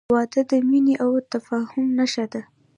• واده د مینې او تفاهم نښه ده.